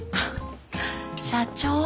社長